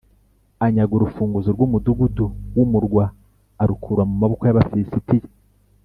anyaga urufunguzo rw’umudugudu w’umurwa, arukura mu maboko y’Abafilisitiya.